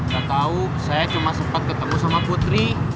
gak tau saya cuma sempet ketemu sama putri